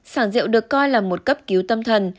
sản rượu được coi là một cấp cứu tâm thần